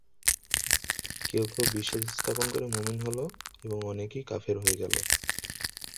কেউ কেউ বিশ্বাস স্থাপন করে মুমিন হল এবং অনেকেই কাফের হয়ে গেল।